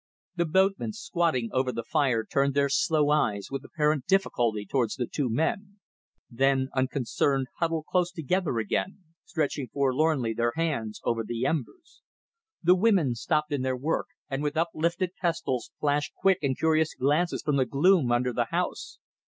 The boatmen squatting over the fire turned their slow eyes with apparent difficulty towards the two men; then, unconcerned, huddled close together again, stretching forlornly their hands over the embers. The women stopped in their work and with uplifted pestles flashed quick and curious glances from the gloom under the house.